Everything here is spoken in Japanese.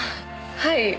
はい。